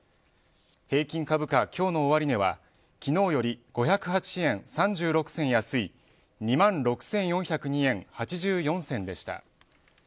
平均株価、今日の終値は昨日より５０８円３６銭安い２万６４０２円８４銭でした。